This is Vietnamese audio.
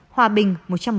hòa bình một trăm một mươi tám